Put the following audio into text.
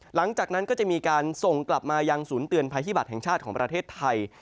หลังจากนั้นก็จะมีการส่งกลับมายังศูนย์เตือนภัยพิบัตรแห่งชาติของประเทศไทย